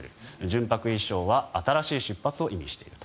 純白衣装は新しい出発を意味している。